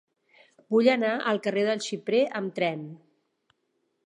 Vull anar al carrer del Xiprer amb tren.